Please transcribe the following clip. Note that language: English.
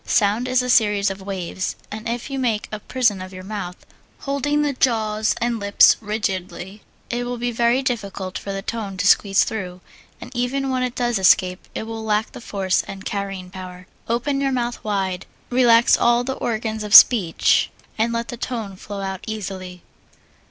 Sound is a series of waves, and if you make a prison of your mouth, holding the jaws and lips rigidly, it will be very difficult for the tone to squeeze through, and even when it does escape it will lack force and carrying power. Open your mouth wide, relax all the organs of speech, and let the tone flow out easily.